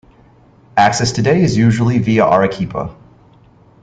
Access today is usually via Arequipa.